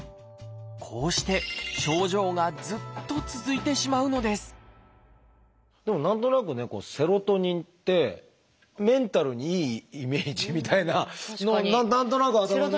こうして症状がずっと続いてしまうのですでも何となくねセロトニンってメンタルにいいイメージみたいな何となく頭の中に。